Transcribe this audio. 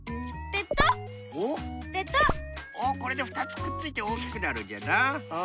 おこれでふたつくっついておおきくなるんじゃな。